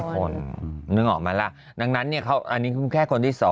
๔คนนึกออกมาแล้วดังนั้นเนี่ยเขาอันนี้แค่คนที่๒